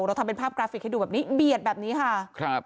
เราทำเป็นภาพกราฟิกให้ดูเบียดแบบนี้ค่ะ